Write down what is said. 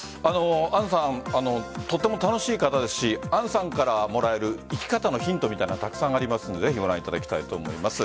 杏さん、とても楽しい方ですし杏さんからもらえる生き方のヒントみたいなどたくさんありますのでぜひご覧いただきたいと思います。